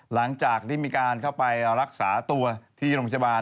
หลังจากที่มีการเข้าไปรักษาตัวที่โรงพยาบาล